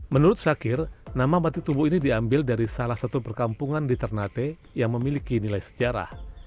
menurut sakir nama batik tubuh ini diambil dari salah satu perkampungan di ternate yang memiliki nilai sejarah